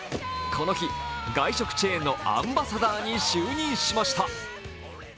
この日、外食チェーンのアンバサダーに就任しました。